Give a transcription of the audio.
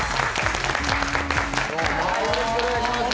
よろしくお願いします。